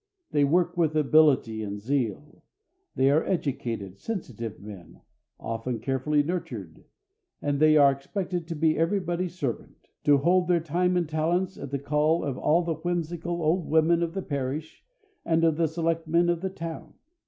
They work with ability and zeal. They are educated, sensitive men, often carefully nurtured, and they are expected to be everybody's servant, to hold their time and talents at the call of all the whimsical old women of the parish and of the selectmen of the town.